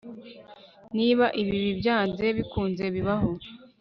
niba ibibi byanze bikunze bibaho